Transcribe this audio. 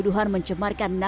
juga saya merasa